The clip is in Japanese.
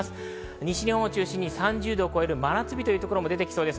西日本を中心に３０度を超える真夏日というところも出てきます。